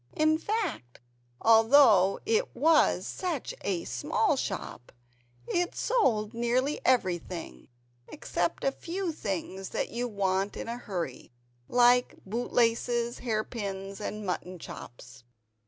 In fact, although it was such a small shop it sold nearly everything except a few things that you want in a hurry like bootlaces, hair pins and mutton chops.